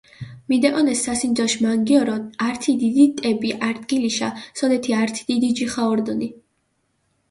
მიდეჸონეს სასინჯოშ მანგიორო ართი დიდი ტები არდგილიშა, სოდეთი ართი დიდი ჯიხა ორდჷნი.